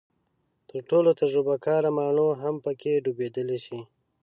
تر ټولو تجربه کاره ماڼو هم پکې ډوبېدلی شي.